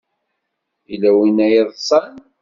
Yella win ay yeḍsan.